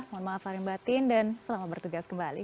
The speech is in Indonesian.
mohon maaf lari mbatin dan selamat bertugas kembali